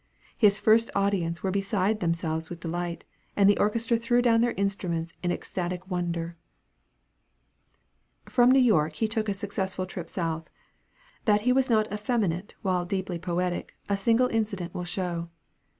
His first audience were beside themselves with delight, and the orchestra threw down their instruments in ecstatic wonder." From New York he took a successful trip South. That he was not effeminate while deeply poetic, a single incident will show.